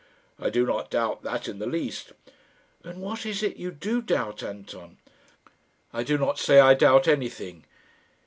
"I do not doubt that in the least." "And what is it you do doubt, Anton?" "I do not say I doubt anything."